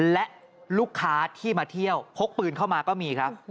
และลูกค้าที่มาเที่ยวพกปืนเข้ามาก็มีครับ